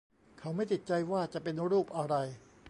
เขาไม่ติดใจว่าจะเป็นรูปอะไร